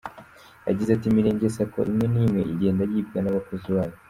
Yagize ati “Imirenge Sacco imwe n’imwe igenda yibwa n’abakozi bayo.